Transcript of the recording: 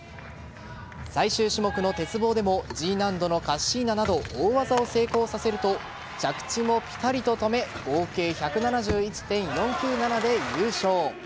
最終種目の鉄棒でもＧ難度のカッシーナなど大技を成功させると着地もピタリと止め合計１７１．４９７で優勝。